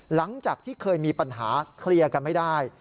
หลังจากที่เคยมีปัญหาเคลียร์กันไม่ได้